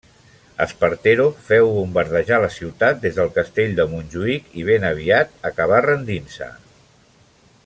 Espartero féu bombardejar la ciutat des del castell de Montjuïc, i ben aviat acabà rendint-se.